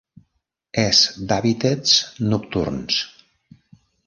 És d'hàbitats nocturns.